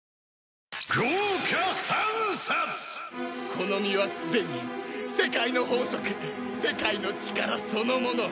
この身はすでに世界の法則世界の力そのもの。